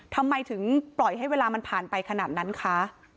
ทำไมถึงปล่อยให้เวลามันผ่านไปขนาดนั้นคะ